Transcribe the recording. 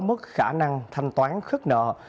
mất khả năng thanh toán khất nợ